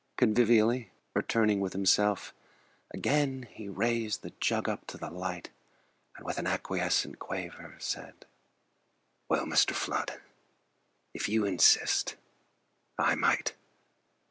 Convivially returning with himself, Again he raised the jug up to the light; And with an acquiescent quaver said: "Well, Mr. Flood, if you insist, I might.